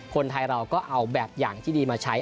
คนไทยเราก็เอาแบบอย่างที่ดีมาใช้